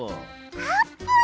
あーぷん！